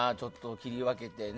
切り分けてね。